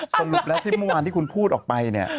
สรุปแล้วที่เมื่อวานที่คุณพูดออกไปเนี่ย